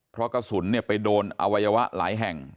เพราะกระสุนไปโดนอวัยวะหลายแห่ง